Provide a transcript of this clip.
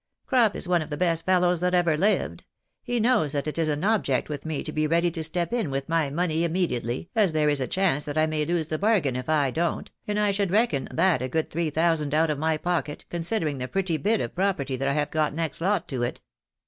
" Crop is one of the best fellows that ever lived ; he knows that it is an object with me to be ready to step in with my money immediately, as there is a chance that I may lose the bargain if I don't, and I should reckon that a good three thousand out of my pocket, considering the pretty bit of property that I have got next lot to it.